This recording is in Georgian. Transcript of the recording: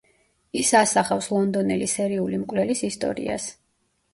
ის ასახავს ლონდონელი სერიული მკვლელის ისტორიას.